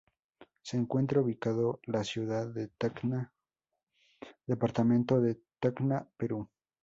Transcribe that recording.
Se encuentra ubicado la ciudad de Tacna, departamento de Tacna, Perú.